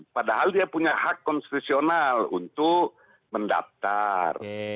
padahal dia punya hak konstitusional untuk mendaftar